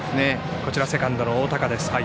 セカンドの大高です。